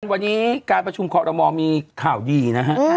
วันนี้การประชุมคอรมอลมีข่าวดีนะฮะ